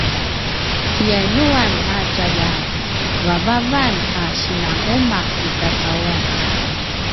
i yainuan a tjalja vavavan a sinanumaq i kacauan?